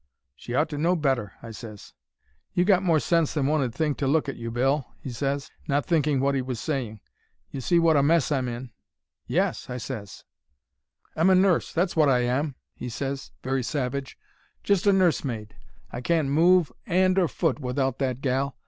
"'She ought to know better,' I ses. "He took hold o' my 'and and shook it. 'You've got more sense than one 'ud think to look at you, Bill,' he ses, not thinking wot he was saying. 'You see wot a mess I'm in.' "'Yes,' I ses. "'I'm a nurse, that's wot I am,' he ses, very savage. 'Just a nursemaid. I can't move 'and or foot without that gal.